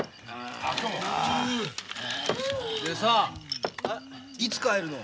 でさいつ帰るの？